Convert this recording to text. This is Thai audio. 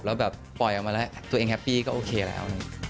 แล้วแบบปล่อยออกมาแล้วตัวเองแฮปปี้ก็โอเคแล้ว